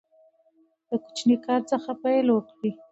د کوچني کار څخه پیل وکړئ.